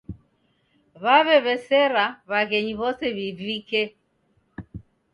W'aw'ew'esera w'aghenyi w'ose w'ivike